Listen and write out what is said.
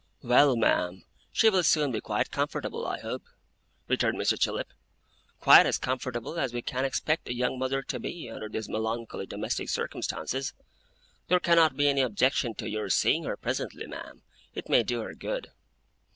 'Well, ma'am, she will soon be quite comfortable, I hope,' returned Mr. Chillip. 'Quite as comfortable as we can expect a young mother to be, under these melancholy domestic circumstances. There cannot be any objection to your seeing her presently, ma'am. It may do her good.